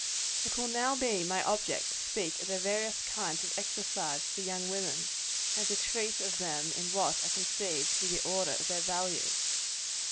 It will now be my object to speak of the various kinds of exercise for young women; and to treat of them in what I conceive to be the order of their value.